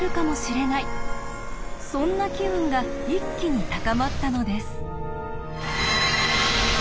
そんな機運が一気に高まったのです。